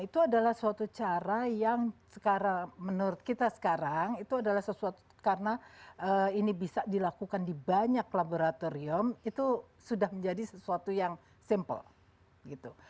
itu adalah suatu cara yang sekarang menurut kita sekarang itu adalah sesuatu karena ini bisa dilakukan di banyak laboratorium itu sudah menjadi sesuatu yang simple gitu